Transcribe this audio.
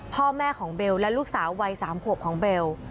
พ่อแม่ของเบลและลูกสาววัย๓ขวบของเบล